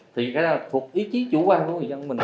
thì cái này thuộc ý chí chủ quan của người dân của mình